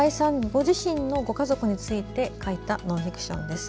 ご自身のご家族について書いたノンフィクションです。